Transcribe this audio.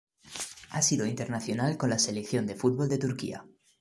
Ha sido internacional con la selección de fútbol de Turquía.